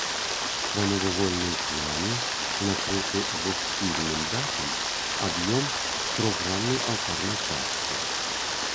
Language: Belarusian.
Прамавугольны ў плане накрыты двухсхільным дахам аб'ём з трохграннай алтарнай часткай.